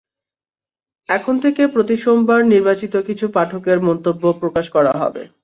এখন থেকে প্রতি সোমবার নির্বাচিত কিছু পাঠকের মন্তব্য প্রকাশ করা হবে।